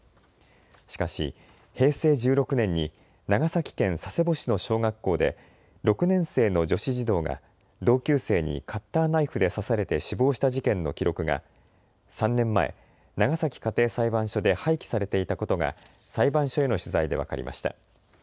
しかし平成１６年に長崎県佐世保市の小学校で６年生の女子児童が同級生にカッターナイフで刺されて死亡した事件の記録が３年前、長崎家庭裁判所で廃棄されていたことが裁判所への取材で分かりました。